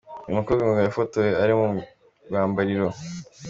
Uyu mukobwa ngo yafotowe ari mu rwambariro.